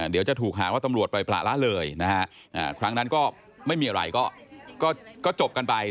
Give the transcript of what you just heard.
เดี๋ยวจะถูกหาว่าตำรวจปล่อยประละเลยนะฮะครั้งนั้นก็ไม่มีอะไรก็จบกันไป